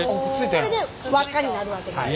これで輪っかになるわけです。